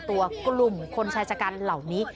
ตัวกลุ่มคนชายชะกันเหล่านี้